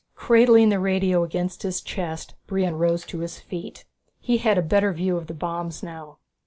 Cradling the radio against his chest, Brion rose to his feet. He had a better view of the bombs now.